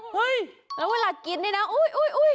เฮ้ยแล้วเวลากินด้วยนะคะอุ๊ย